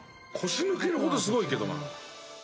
腰抜けるほどすごいけどな。